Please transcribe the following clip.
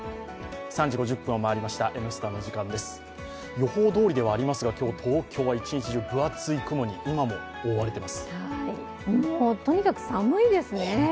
予報どおりではありますが今日、東京は一日中分厚い雲にとにかく寒いですね。